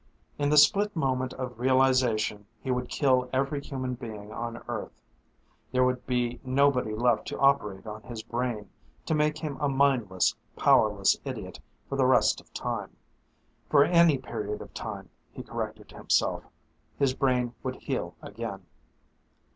In the split moment of realization he would kill every human being on Earth. There would be nobody left to operate on his brain, to make him a mindless, powerless idiot for the rest of time. For any period of time, he corrected himself. His brain would heal again.